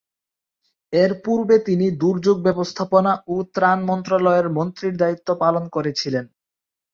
এর পূর্বে তিনি দুর্যোগ ব্যবস্থাপনা ও ত্রাণ মন্ত্রণালয়ের মন্ত্রীর দায়িত্ব পালন করেছিলেন।